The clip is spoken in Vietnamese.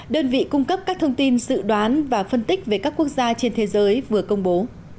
đơn vị cung cấp các thông tin dự đoán và phân tích về các quốc gia trên thế giới vừa công bố